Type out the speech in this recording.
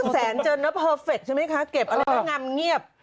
แสนเจิญแล้วโพิเฟกซ์ใช่ไหมคะเก็บอะไรงำเงียบ